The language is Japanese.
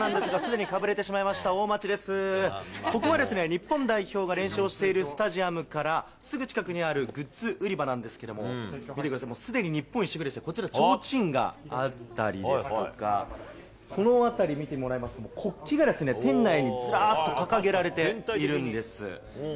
日本代表が練習しているスタジアムからすぐ近くにあるグッズ売り場なんですけれども、見てください、すでに日本一色でして、こちら、ちょうちんがあったりですとか、この辺り見てもらいますと国旗が店内にずらっと掲げられているんです。